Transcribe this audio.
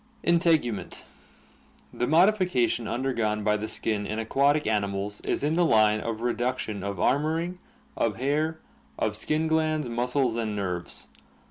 Integument. — The modification undergone by the skin in aquatic animals is in the line of reduction of armoring, of hair, of skin glands, muscles, and nerves.